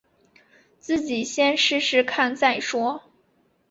自己先试试看再说